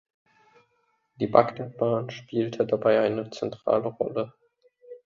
Die Bagdadbahn spielte dabei eine zentrale Rolle.